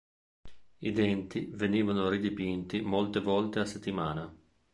I denti venivano ridipinti molte volte a settimana.